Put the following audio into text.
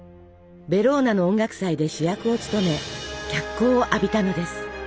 ベローナの音楽祭で主役を務め脚光を浴びたのです。